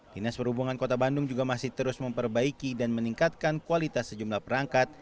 dinas perhubungan kota bandung juga masih terus memperbaiki dan meningkatkan kualitas sejumlah perangkat